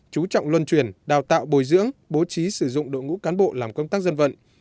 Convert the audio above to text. chú trọng luân truyền đào tạo bồi dưỡng bố trí sử dụng đội ngũ cán bộ làm công tác dân vận